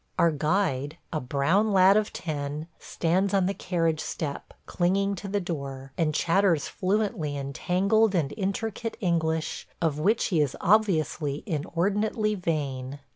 ... Our guide, a brown lad of ten, stands on the carriage step clinging to the door, and chatters fluently in tangled and intricate English, of which he is obviously inordinately vain.